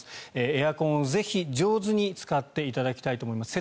エアコンをぜひ上手に使っていただきたいと思います。